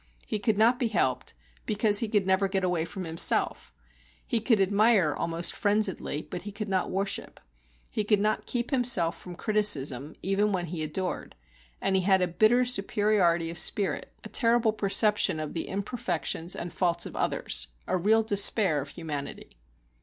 He could not be helped, because he could never get away from himself; he could admire almost frenziedly, but he could not worship; he could not keep himself from criticism even when he adored, and he had a bitter superiority of spirit, a terrible perception of the imperfections and faults of others, a real despair of humanity.